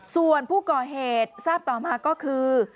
ส่วนผู้ก่อเหตุทราบต่อมาก็คือ